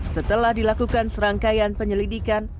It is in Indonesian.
setelah dilakukan serangkaian penyelidikan